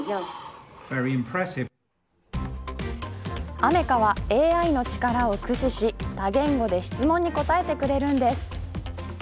アメカはＡＩの力を駆使し多言語で質問に答えてくれるんです。